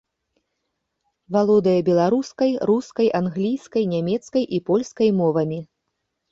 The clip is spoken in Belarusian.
Валодае беларускай, рускай, англійскай, нямецкай і польскай мовамі.